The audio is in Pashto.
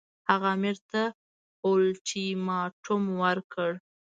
هغه امیر ته اولټیماټوم ورکړ.